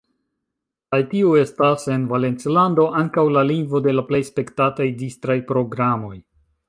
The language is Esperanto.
Kaj tiu estas en Valencilando ankaŭ la lingvo de la plej spektataj distraj programoj.